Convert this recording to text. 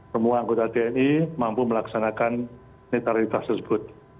semua anggota tni mampu melaksanakan netralitas tersebut